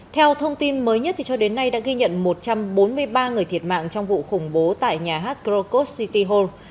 theo thông tin mới nhất cho đến nay đã ghi nhận một trăm bốn mươi ba người thiệt mạng trong vụ khủng bố tại nhà hát krokos city hall